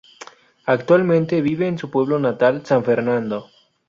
Actualmente vive en su pueblo natal, San Fernando.